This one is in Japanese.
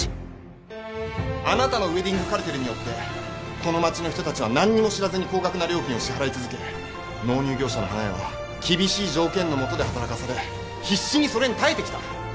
あなたのウエディングカルテルによってこの街の人たちは何にも知らずに高額な料金を支払い続け納入業者の花屋は厳しい条件のもとで働かされ必死にそれに耐えてきた。